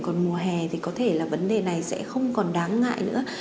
còn mùa hè thì có thể là vấn đề này sẽ không còn đáng ngại nữa